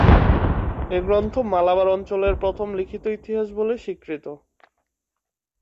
এ গ্রন্থ মালাবার অঞ্চলের প্রথম লিখিত ইতিহাস বলে স্বীকৃত।